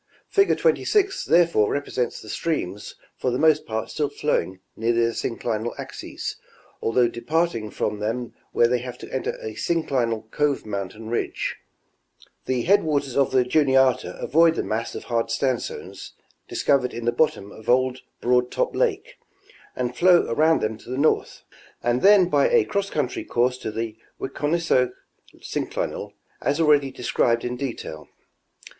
Fig. 26 therefore represents the streams for the most part still following near their synclinal axes, although departing from them where they have to enter a syncli nal cove mountain ridge ; the headwaters of the Juniata avoid the mass of hard sandstones discovered in the bottom of old Broad Top lake, and flow around them to the north, and then by a cross country course to the Wiconisco synclinal, as already described in detail.